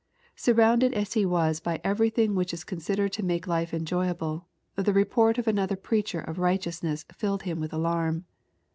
Surrounded as he was by every thing which is considered to make life enjoyable, the re* port of another preacher of righteousness filled him with alarm.